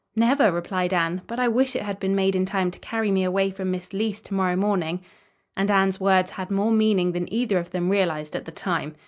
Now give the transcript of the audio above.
"Never," replied Anne, "but I wish it had been made in time to carry me away from Miss Leece to morrow morning." And Anne's words had more meaning than either of them realized at the time.